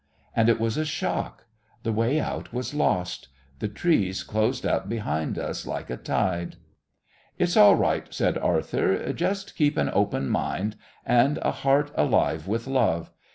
And it was a shock. The way out was lost. The trees closed up behind us like a tide. "It's all right," said Arthur; "just keep an open mind and a heart alive with love.